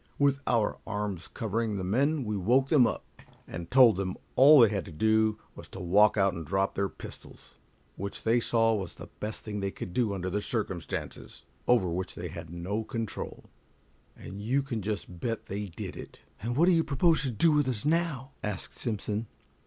With our arms covering the men, we woke them up, and told them all they had to do was to walk out and drop their pistols, which they saw was the best thing they could do under circumstances over which they had no control, and you can just bet they did it." "And what do you propose to do with us now?" asked Simpson.